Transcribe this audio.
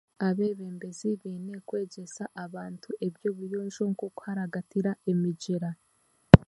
Abebembezi beine kwegyeesa abantu eby'obuyoonjo nk'okuharagatira.